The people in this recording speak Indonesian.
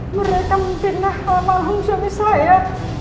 mereka membenah nama ahung suami saya